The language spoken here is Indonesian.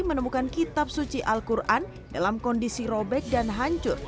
menemukan kitab suci al quran dalam kondisi robek dan hancur